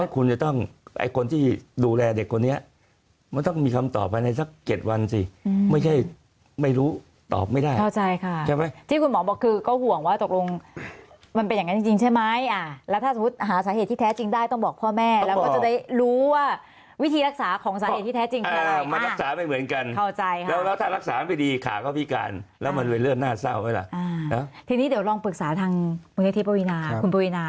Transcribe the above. เข้าใจค่ะที่คุณหมอบอกคือก็ห่วงว่าตกลงมันเป็นอย่างนั้นจริงใช่ไหมแล้วถ้าสมมติหาสาเหตุที่แท้จริงได้ต้องบอกพ่อแม่แล้วก็จะได้รู้ว่าวิธีรักษาของสาเหตุที่แท้จริงเป็นอะไรมันรักษาไม่เหมือนกันเข้าใจแล้วถ้ารักษาไม่ดีขาก็พิการแล้วมันเลยเริ่มหน้าเศร้าเวลาทีนี้เดี๋ยวลองปรึก